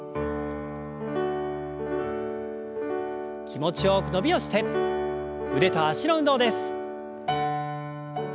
気持ちよく伸びをして腕と脚の運動です。